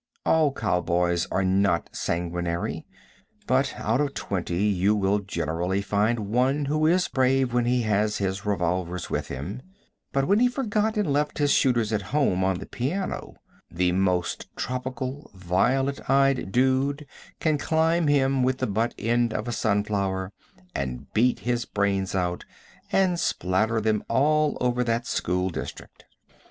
All cow boys are not sanguinary; but out of twenty you will generally find one who is brave when he has his revolvers with him; but when he forgot and left his shooters at home on the piano, the most tropical violet eyed dude can climb him with the butt end of a sunflower, and beat his brains out and spatter them all over that school district.